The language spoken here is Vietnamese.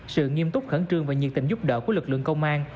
sự nghiêm túc khẩn trương và nhiệt tình giúp đỡ của lực lượng công an